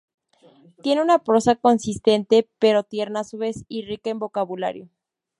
Tiene una prosa consistente pero tierna a su vez y rica en vocabulario.